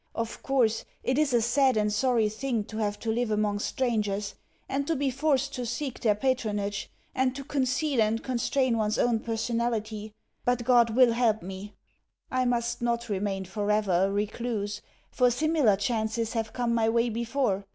Of course it is a sad and sorry thing to have to live among strangers, and to be forced to seek their patronage, and to conceal and constrain one's own personality but God will help me. I must not remain forever a recluse, for similar chances have come my way before.